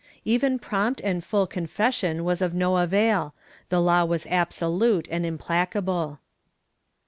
^ Even prompt and full con fession was of no avail; the law was absolute and implacable.'